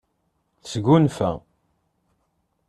Tesgunfa.